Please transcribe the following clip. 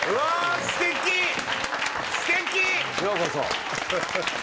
ようこそ。